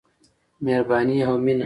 مهرباني او مينه.